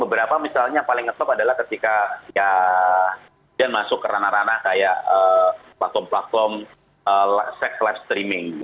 beberapa misalnya yang paling ngetop adalah ketika ya dia masuk ke ranah ranah kayak platform platform seks live streaming